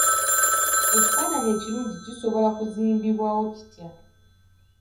Ekifaananyi ekirungi kisobola kuzzibwawo kitya?